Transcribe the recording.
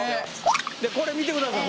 これ見てください。